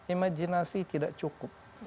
imajinasi tidak cukup